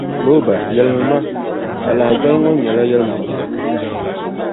Louba yɛlimi ma, a lahabali ŋɔ nyɛla yɛlimaŋli?